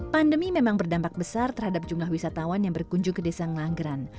pandemi memang berdampak besar terhadap jumlah wisatawan yang berkunjung ke desa ngelanggeran